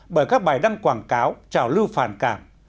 bởi các bài đăng quảng cáo trào lưu phản cảm